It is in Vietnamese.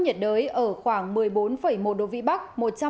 nhiệt đới ở khoảng một mươi bốn một độ vĩ bắc